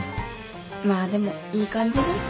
まあでもいい感じじゃん。